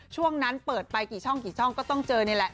ช่วงนั้นเปิดไปกี่ช่องก็ต้องเจอเนี่ยแหละ